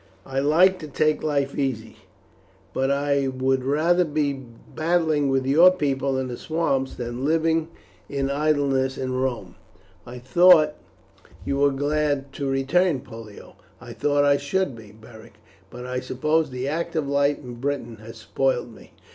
I like to take life easily, but I would rather be battling with your people in the swamps than living in idleness in Rome." "I thought you were glad to return, Pollio?" "I thought I should be, Beric, but I suppose the active life in Britain has spoilt me.